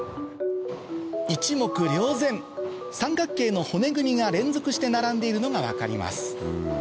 一目瞭然三角形の骨組みが連続して並んでいるのが分かります